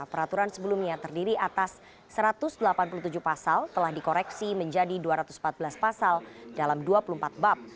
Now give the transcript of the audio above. peraturan sebelumnya terdiri atas satu ratus delapan puluh tujuh pasal telah dikoreksi menjadi dua ratus empat belas pasal dalam dua puluh empat bab